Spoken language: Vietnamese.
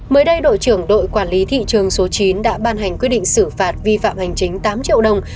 mới đây đội trưởng đội quản lý thị trường số chín đã ban hành quyết định xử phạt vi phạm hành chính tám triệu đồng